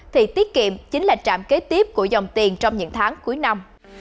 thì tiết kiệm chính là trạm kế tiếp của dòng tiền trong những tháng cuối năm